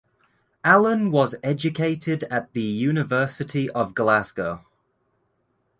Allen was educated at the University of Glasgow.